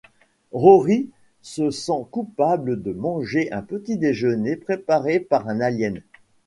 Rory se sent coupable de manger un petit déjeuner préparé par un alien...